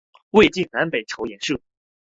魏晋南北朝沿置。